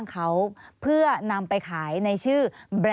มีความรู้สึกว่ามีความรู้สึกว่า